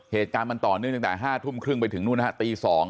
เหตุการณ์มันต่อเนื่องตั้งแต่๕ทุ่มครึ่งไปถึงนู่นฮะตี๒